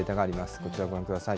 こちらご覧ください。